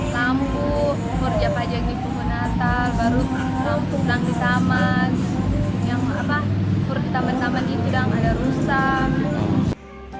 lampu kerja pajak itu natal baru langsung langsung di taman yang apa apa pertama tama di tidak ada